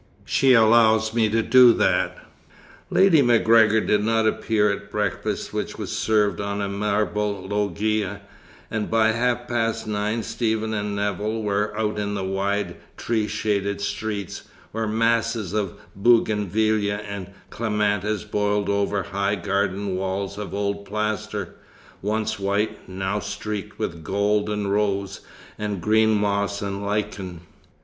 She allows me to do that." Lady MacGregor did not appear at breakfast, which was served on a marble loggia; and by half past nine Stephen and Nevill were out in the wide, tree shaded streets, where masses of bougainvillæa and clematis boiled over high garden walls of old plaster, once white, now streaked with gold and rose, and green moss and lichen.